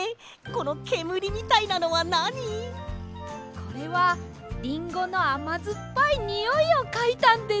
これはリンゴのあまずっぱいにおいをかいたんです！